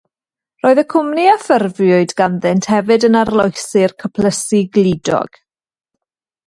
Roedd y cwmni a ffurfiwyd ganddynt hefyd yn arloesi'r cyplysu gludiog.